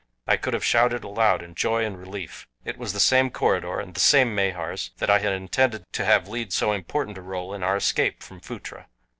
I could have shouted aloud in joy and relief. It was the same corridor and the same Mahars that I had intended to have lead so important a role in our escape from Phutra.